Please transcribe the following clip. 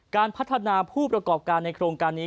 การพัฒนาผู้ประกอบการในโครงการนี้